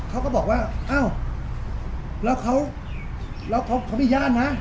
เขาก็บอกว่าอ้าวแล้วเขาแล้วเขาเขามีญาตินะ